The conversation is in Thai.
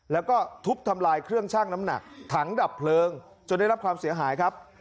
แล้วก็ทุบทำลายเครื่องชั่งน้ำหนักถังดับเพลิงจนได้รับความเสียหายครับ